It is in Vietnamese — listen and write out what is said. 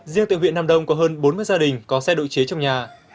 riêng tại huyện nam đông có hơn bốn mươi gia đình có xe độ chế trong nhà